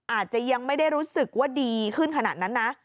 อาจจะยังไม่ได้รู้สึกว่าดีขึ้นขนาดนั้นนะ